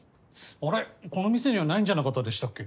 ・あれこの店にはないんじゃなかったでしたっけ？